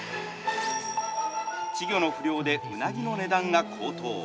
稚魚の不漁でうなぎの値段が高騰。